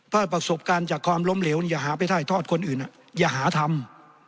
ถ้าประสบการณ์จากความล้มเหลวอย่าหาไปถ่ายทอดคนอื่นอย่าหาทำ